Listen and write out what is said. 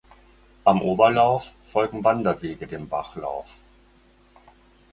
Am Oberlauf folgen Wanderwege dem Bachlauf.